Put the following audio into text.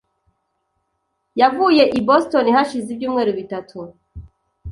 yavuye i Boston hashize ibyumweru bitatu.